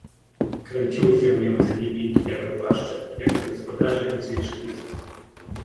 "Kręciły się między nimi „białe płaszcze“, jako gospodarze i zwierzchnicy."